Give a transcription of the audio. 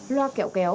loa kẹo kéo